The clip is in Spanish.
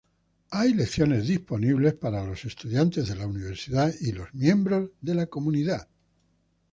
Lecciones son disponibles para estudiantes de la universidad y miembros del comunidad.